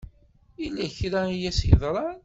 Yella kra i as-yeḍran.